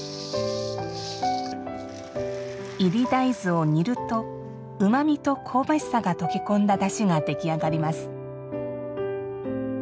いり大豆を煮るとうまみと香ばしさが溶け込んだだしが出来上がります。